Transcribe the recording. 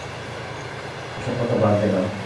এসব কথা বাদ দিলাম।